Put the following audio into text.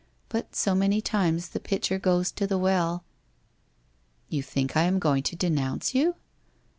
But so many times the pitcher goes to the well '' You think I am going to denounce you